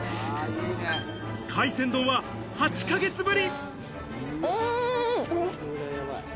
海鮮丼は８ヶ月ぶり。